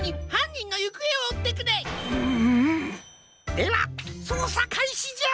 ではそうさかいしじゃ！